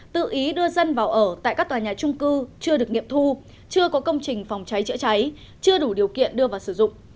tự ý đưa dân vào ở tại các tòa nhà trung cư chưa được nghiệm thu chưa có công trình phòng cháy chữa cháy chưa đủ điều kiện đưa vào sử dụng